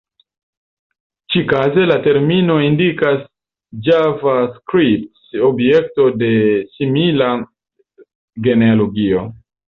Ĉikaze la termino indikas Javascript-objekto de simila genealogio.